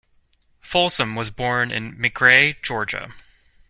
Folsom was born in McRae, Georgia.